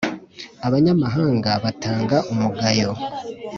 abanyamahanga batanga umugayo.